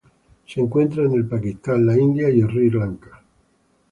Se encuentra en el Pakistán, la India y Sri Lanka.